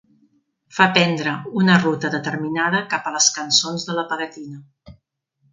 Fa prendre una ruta determinada cap a les cançons de la Pegatina.